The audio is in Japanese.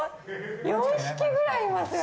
４匹くらいいますよ！